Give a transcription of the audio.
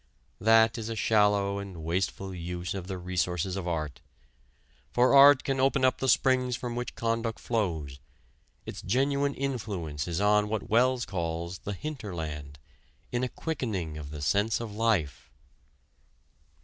That is a shallow and wasteful use of the resources of art. For art can open up the springs from which conduct flows. Its genuine influence is on what Wells calls the "hinterland," in a quickening of the sense of life.